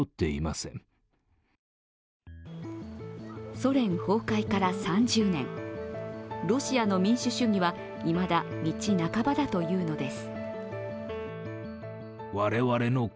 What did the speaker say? ソ連崩壊から３０年、ロシアの民主主義はいまだ道半ばだというのです。